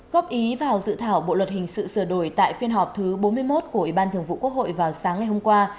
góp ý vào dự thảo bộ luật hình sự sửa đổi tại phiên họp thứ bốn mươi một của ủy ban thường vụ quốc hội vào sáng ngày hôm qua